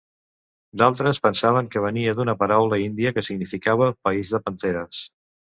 D'altres pensaven que venia d'una paraula índia que significava "país de panteres".